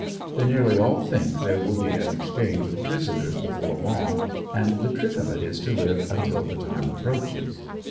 They nearly all think there will be an exchange of prisoners before long and the trick of it is to live until the time approaches.